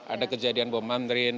ada kejadian bom mandrin